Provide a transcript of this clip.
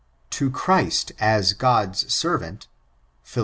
To Cbriat, as God's servant, PbiL ii.